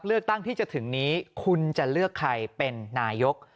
เลือกตั้งที่จะถึงนี้คุณจะเลือกใครเป็นนายก